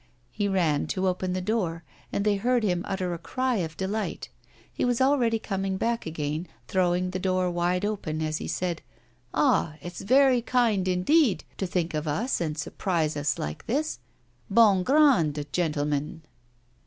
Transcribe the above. He ran to open the door, and they heard him utter a cry of delight. He was already coming back again, throwing the door wide open as he said 'Ah! it's very kind indeed to think of us and surprise us like this! Bongrand, gentlemen.